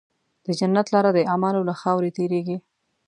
د جنت لاره د اعمالو له خاورې تېرېږي.